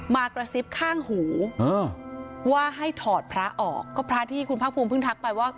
มากระซิบข้างหูว่าให้ถอดพระออกก็พระที่คุณภาคภูมิเพิ่งทักไปว่า